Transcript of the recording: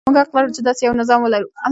موږ حق لرو چې داسې یو نظام ولرو.